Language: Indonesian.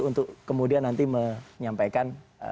untuk kemudian nanti menyampaikan